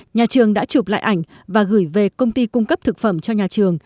nhà trường đã chụp lại ảnh và gửi về công ty cung cấp thực phẩm cho nhà trường